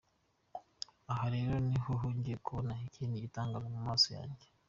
Aha rero niho nongeye kubona ikindi gitangaza mu maso yanjye.